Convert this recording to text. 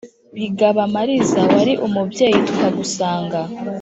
Bigaba Mariza wari umubyeyi tukagusanga